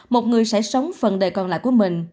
một người sẽ sống phần đề còn lại của mình